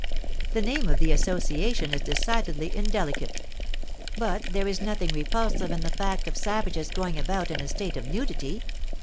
The name of the Association is decidedly indelicate; but there is nothing repulsive in the fact of savages going about in a state of nudity.